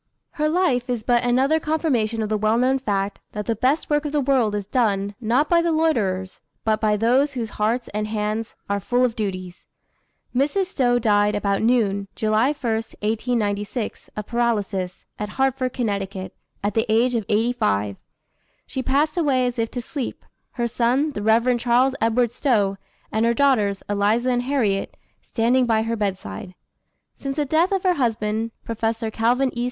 Her life is but another confirmation of the well known fact, that the best work of the world is done, not by the loiterers, but by those whose hearts and hands are full of duties. Mrs. Stowe died about noon, July 1, 1896, of paralysis, at Hartford, Conn., at the age of eighty five. She passed away as if to sleep, her son, the Rev. Charles Edward Stowe, and her daughters, Eliza and Harriet, standing by her bedside. Since the death of her husband, Professor Calvin E.